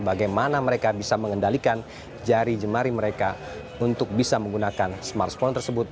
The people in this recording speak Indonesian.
bagaimana mereka bisa mengendalikan jari jemari mereka untuk bisa menggunakan smartphone tersebut